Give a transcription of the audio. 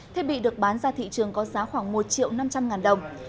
thiết bị được bán ra thị trường có giá khoảng một triệu năm trăm linh ngàn đồng